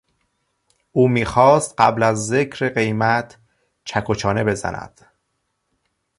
او میخواست قبل از ذکر قیمت چک و چانه بزند.